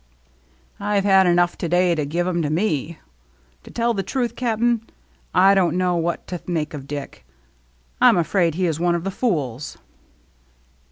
" I've had enough to day to give 'em to me. To tell the truth, Cap'n, I don't know what to make of Dick. I'm afraid he is one of the fools."